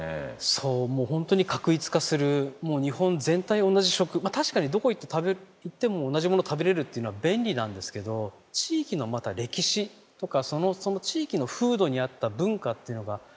そう本当に画一化するもう日本全体同じ食確かにどこ行っても同じもの食べれるっていうのは便利なんですけど地域のまた歴史とかその地域の風土に合った文化っていうのが全部なくなってしまう。